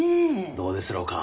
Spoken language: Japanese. どうですろうか？